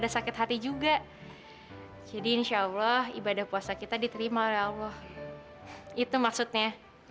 sakit hati juga jadi insyaallah ibadah puasa kita diterima oleh allah itu maksudnya